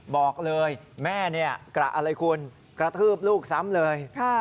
บอกเลยแม่เนี่ยกระอะไรคุณกระทืบลูกซ้ำเลย